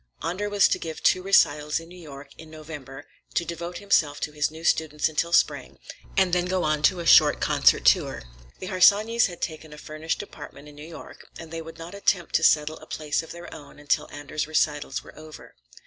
Andor was to give two recitals in New York in November, to devote himself to his new students until spring, and then to go on a short concert tour. The Harsanyis had taken a furnished apartment in New York, as they would not attempt to settle a place of their own until Andor's recitals were over.